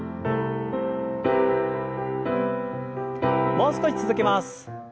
もう少し続けます。